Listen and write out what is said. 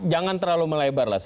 jangan terlalu melebar